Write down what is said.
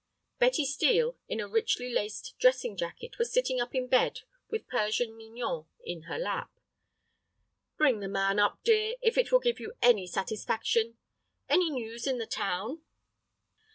Betty Steel, in a richly laced dressing jacket, was sitting up in bed with Persian Mignon in her lap. "Bring the man up, dear, if it will give you any satisfaction. Any news in the town?"